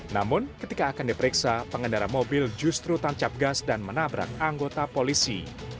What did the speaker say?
namun ketika akan diperiksa pengendara mobil justru tancap gas dan menabrak anggota polisi